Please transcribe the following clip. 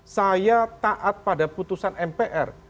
saya taat pada putusan mpr